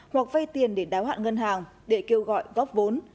hoặc vay tiền để đáo hạn ngân hàng để kêu gọi góp vốn